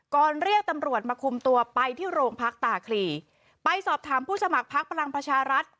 เรียกตำรวจมาคุมตัวไปที่โรงพักตาคลีไปสอบถามผู้สมัครพักพลังประชารัฐ